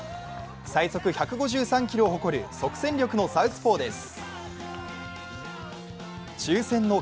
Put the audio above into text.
最速１５３キロを誇る即戦力のサウスポーです。